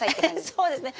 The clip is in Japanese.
そうですね。